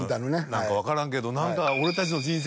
「何か分からんけど」。